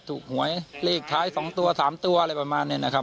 ถูกหวยเลขท้ายสองตัวสามตัวอะไรประมาณเนี้ยนะครับ